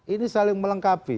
ini saling melengkapi